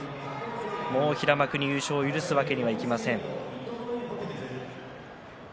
もう平幕に優勝を許すわけにはいきません。